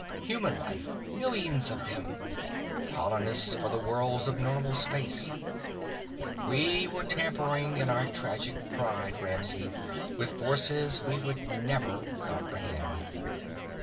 Human life. Millions of them, colonists for the worlds of normal space. We were tampering in our tragic pride, Ramsey, with forces we would never comprehend.